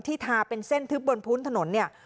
ทาเป็นเส้นทึบบนพื้นถนนเนี่ย